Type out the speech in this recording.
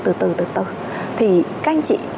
từ từ từ từ thì các anh chị